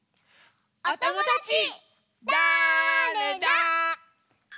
おともだちだれだ？